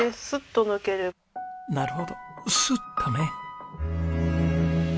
なるほどスッとね。